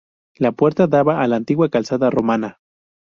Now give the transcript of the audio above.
La puerta daba a la antigua calzada romana.